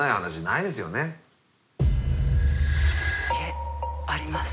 いえあります。